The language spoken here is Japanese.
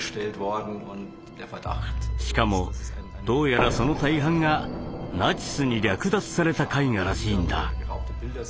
しかもどうやらその大半がナチスに略奪された絵画らしいんだ。